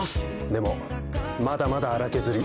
でもまだまだ粗削り。